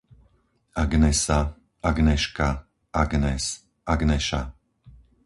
Agnesa, Agneška, Agnes, Agneša